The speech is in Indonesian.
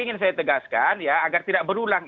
ingin saya tegaskan ya agar tidak berulang